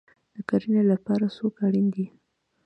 د کرنې لپاره څوک اړین دی؟